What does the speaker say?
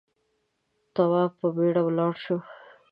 تواب په بيړه ولاړ شو.